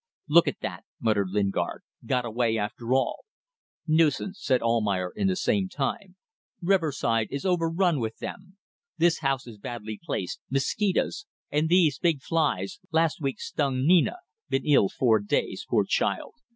"Look at that!" muttered Lingard. "Got away after all." "Nuisance," said Almayer in the same tone. "Riverside is overrun with them. This house is badly placed ... mosquitos ... and these big flies .... last week stung Nina ... been ill four days ... poor child.